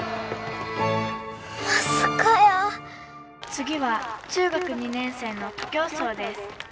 「次は中学２年生の徒競走です」。